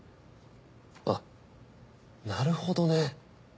あっなるほどね。